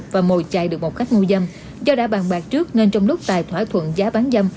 và mồi chạy được một khách mua dâm do đã bàn bạc trước nên trong lúc tài thỏa thuận giá bán dâm